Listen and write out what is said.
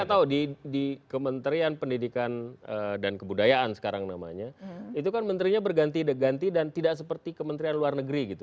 kita tahu di kementerian pendidikan dan kebudayaan sekarang namanya itu kan menterinya berganti ganti dan tidak seperti kementerian luar negeri gitu